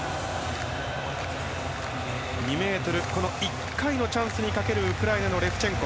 ２ｍ、１回のチャンスにかけるウクライナのレフチェンコ。